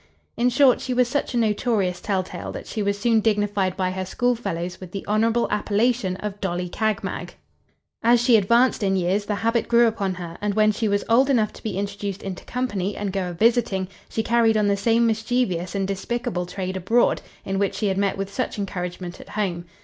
"In short she was such a notorious telltale, that she was soon dignified by her school fellows with the honourable appellation of Dolly Cagmag. As she advanced in years, the habit grew upon her; and when she was old enough to be introduced into company, and go a visiting, she carried on the same mischievous and despicable trade abroad, in which she had met with such encouragement at home.